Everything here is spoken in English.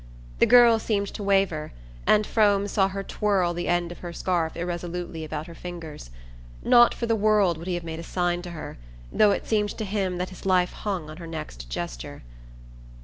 The girl seemed to waver, and Frome saw her twirl the end of her scarf irresolutely about her fingers. Not for the world would he have made a sign to her, though it seemed to him that his life hung on her next gesture.